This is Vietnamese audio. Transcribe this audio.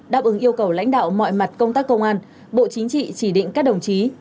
đáp ứng yêu cầu lãnh đạo mọi mặt công tác công an bộ chính trị chỉ định các đồng chí